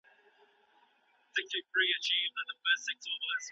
که زده کوونکي قلم په لاس کي ولري نو راتلونکی روښانه دی.